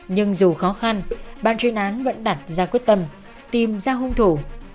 nhưng dù khó khăn ban chuyên án vẫn đặt ra quyết tâm tìm ra hung thủ